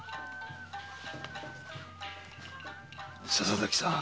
笹崎さん。